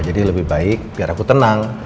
jadi lebih baik biar aku tenang